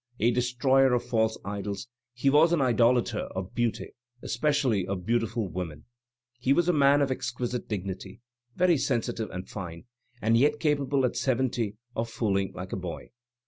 A destroyer of false idols, he was an idolator of beauty, espe cially of beautiful women. He was a man of exquisite dignity, very sensitive and fine, and yet capable at seventy of fooling like a boy.